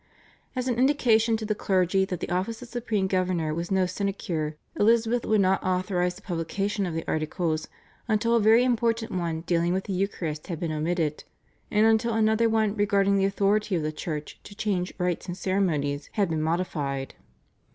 As an indication to the clergy that the office of supreme governor was no sinecure Elizabeth would not authorise the publication of the Articles until a very important one dealing with the Eucharist had been omitted, and until another one regarding the authority of the Church to change rites and ceremonies had been modified.